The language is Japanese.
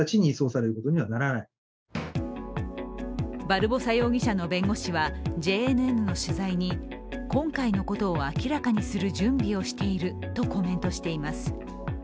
バルボサ容疑者の弁護士はＪＮＮの取材に今回のことを明らかにする準備をしているとコメントしています。